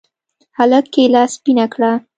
هلك کېله سپينه کړه.